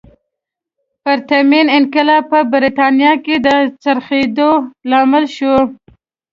پرتمین انقلاب په برېټانیا کې د څرخېدو لامل شو.